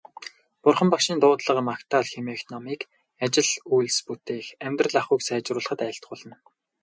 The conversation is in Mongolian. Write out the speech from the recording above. Бурхан Багшийн дуудлага магтаал хэмээх номыг ажил үйлс бүтээх, амьдрал ахуйг сайжруулахад айлтгуулна.